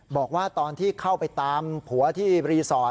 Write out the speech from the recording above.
บอกว่าตอนที่เข้าไปตามผัวที่รีสอร์ท